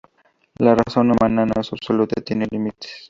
La razón humana no es absoluta, tiene límites.